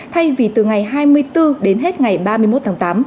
thay vì từ ngày hai mươi bốn đến hết ngày ba mươi một tháng tám